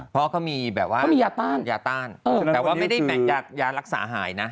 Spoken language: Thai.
เพราะเขามียาต้านแต่ว่าไม่ได้แบ่งจากยารักษาหายนะ